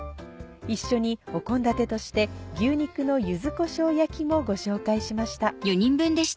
一緒に献立として「牛肉の柚子こしょう焼き」もご紹介しました。